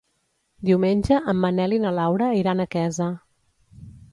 Diumenge en Manel i na Laura iran a Quesa.